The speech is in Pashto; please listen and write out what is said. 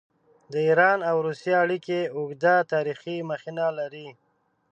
د ایران او روسیې اړیکې اوږده تاریخي مخینه لري.